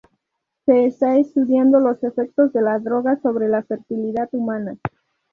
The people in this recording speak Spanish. Se está estudiando los efectos de la droga sobre la fertilidad humana.